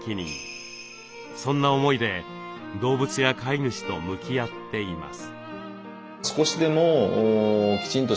そんな思いで動物や飼い主と向き合っています。